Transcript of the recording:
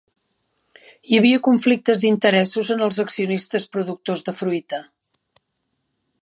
Hi havia conflictes d'interessos en els accionistes productors de fruita.